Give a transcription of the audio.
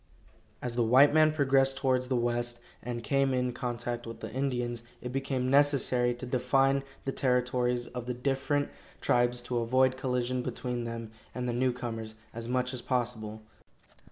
As the white man progressed towards the West, and came in contact with the Indians, it became necessary to define the territories of the different tribes to avoid collision between them and the newcomers as much as possible.